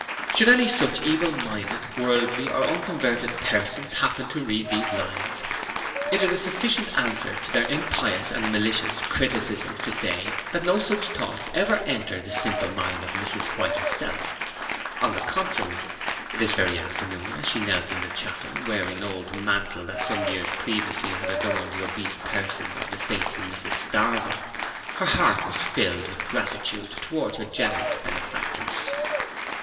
Should any such evil minded, worldly or unconverted persons happen to read these lines, it is a sufficient answer to their impious and malicious criticisms to say that no such thoughts ever entered the simple mind of Mrs White herself: on the contrary, this very afternoon as she knelt in the Chapel, wearing an old mantle that some years previously had adorned the obese person of the saintly Mrs Starvem, her heart was filled with gratitude towards her generous benefactors.